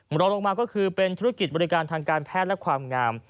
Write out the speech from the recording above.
รอลงมาก็คือเป็นธุรกิจบริการทางการแพทย์และความงาม